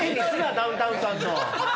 ダウンタウンさんの。